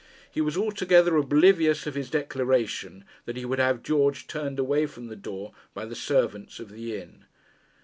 He was altogether oblivious of his declaration that he would have George turned away from the door by the servants of the inn.